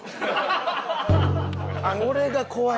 これが怖い。